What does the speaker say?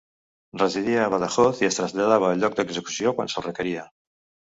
Residia a Badajoz i es traslladava al lloc d'execució quan se'l requeria.